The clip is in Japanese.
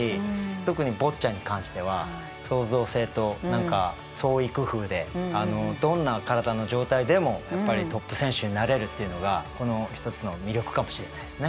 特にボッチャに関しては創造性と何か創意工夫でどんな体の状態でもやっぱりトップ選手になれるっていうのがこの一つの魅力かもしれないですね。